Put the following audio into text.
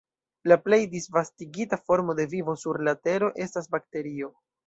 La plej disvastigita formo de vivo sur la Tero estas bakterio.